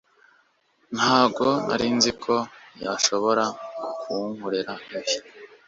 ntago narinziko yashobora kunkorera ibi